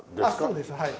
そうですはい。